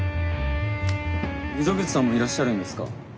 溝口さんもいらっしゃるんですか？